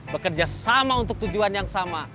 bekerja sama untuk tujuan yang sama